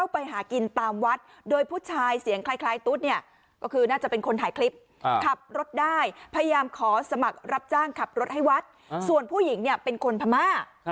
พยายามขอสมัครับจ้างขับรถให้วัดส่วนผู้หญิงเนี่ยเป็นคนพม่า